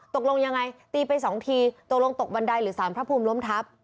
ตกลงยังไงตีไปสองทีตกลงตกบันไดหรือสารพระภูมิล้มทับ